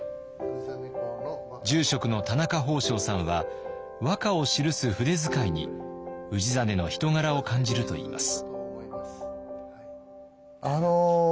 住職の田中法生さんは和歌を記す筆遣いに氏真の人柄を感じるといいます。